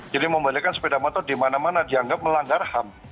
jadi membalikkan sepeda motor dimana mana dianggap melanggar ham